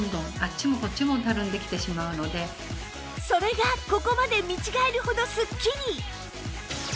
それがここまで見違えるほどすっきり！